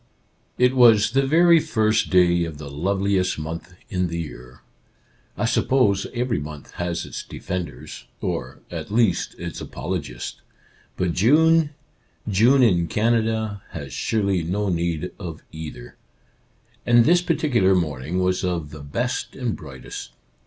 It was the very first day of the loveliest month in the year. I suppose every month has its defenders, or, at least, its apologists, but June — June in Canada — has surely no need of either. And this particular morning was of the best and brightest.